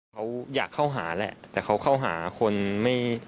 เขาอยากเข้าหาแหละแต่เขาเข้าหาคนไม่